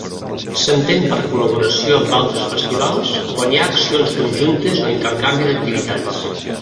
S'entén per col·laboració amb altres festivals quan hi ha accions conjuntes o intercanvi d'activitats.